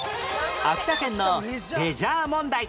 秋田県のレジャー問題